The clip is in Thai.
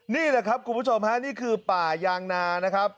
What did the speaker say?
นี่แหละครับคุณผู้ชมฮะนี่คือป่ายางนานะครับ